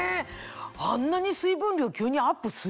あんなに水分量急にアップする？